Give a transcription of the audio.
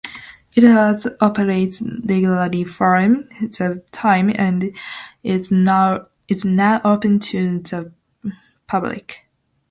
It has operated regularly from that time and is now open to the public.